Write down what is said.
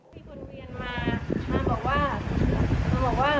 มีคนเวียนมามาบอกว่า